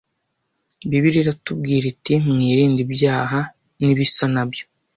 Bibiliya iratubwira iti mwirinde ibyaha nibisa nabyo